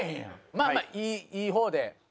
まあまあいい方で。